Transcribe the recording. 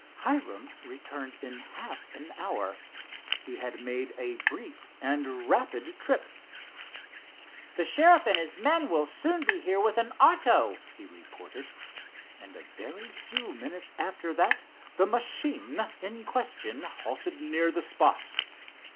Hiram returned in half an hour. He had made a brief and rapid trip. "A sheriff and his men will soon be here with an auto," he reported, and a very few minutes after that the machine in question halted near the spot.